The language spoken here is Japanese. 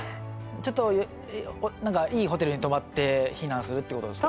ちょっと何かいいホテルに泊まって避難するってことですか？